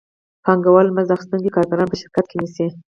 پانګوال مزد اخیستونکي کارګران په شرکت کې نیسي